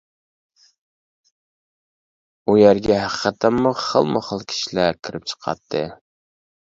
ئۇ يەرگە ھەقىقەتەنمۇ خىلمۇخىل كىشىلەر كىرىپ چىقاتتى.